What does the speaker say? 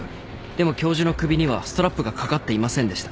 でも教授の首にはストラップが掛かっていませんでした。